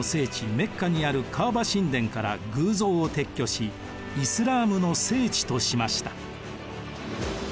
メッカにあるカーバ神殿から偶像を撤去しイスラームの聖地としました。